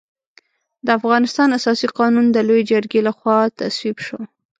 د افغانستان اساسي قانون د لويې جرګې له خوا تصویب شو.